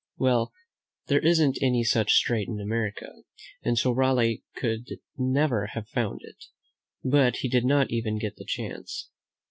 Well, there isn't any such strait in all America, and so Raleigh never could have found it; but he did not even get the chance.